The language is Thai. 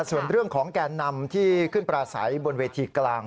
ส่วนเรื่องของแกนนำที่ขึ้นปราศัยบนเวทีกลาง